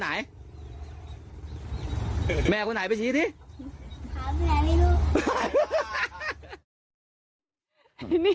ไหนแม่คนไหนไปชี้สิถามที่ไหนนี่ลูก